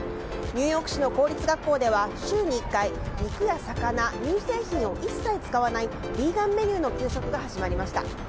ニューヨーク市の公立学校では週に１回肉や魚、乳製品を一切使わないビーガンメニューの給食が始まりました。